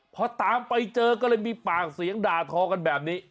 พอตามไปเจอก็เลยมีปากเสียงด่าทอกันแบบนี้